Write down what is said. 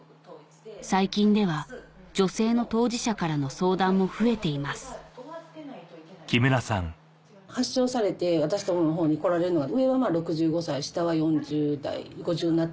最近では女性の当事者からの相談も増えています発症されて私どもの方に来られるのは。